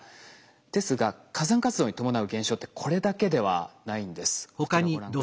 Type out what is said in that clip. ですが火山活動に伴う現象ってこれだけではないんです。